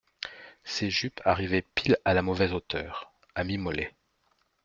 Ses jupes arrivaient pile à la mauvaise hauteur, à mi-mollet